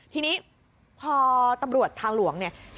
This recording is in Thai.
ทีนี้พอตำรวจทางหลวงเนี่ย